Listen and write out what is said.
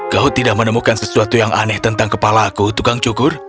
kau tidak menemukan sesuatu yang aneh tentang kepala aku tukang cukur